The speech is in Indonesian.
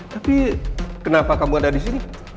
tapi kenapa kamu ada disini